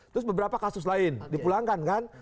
terus beberapa kasus lain dipulangkan kan